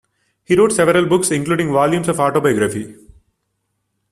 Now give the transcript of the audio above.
He wrote several books, including volumes of autobiography.